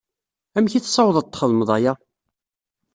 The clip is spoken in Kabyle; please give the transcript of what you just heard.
Amek i tessawḍeḍ txedmeḍ aya?